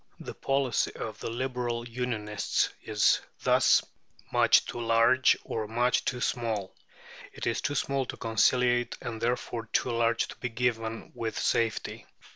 The policy of the Liberal Unionists is thus much too large or much too small. It is too small to conciliate, and therefore too large to be given with safety.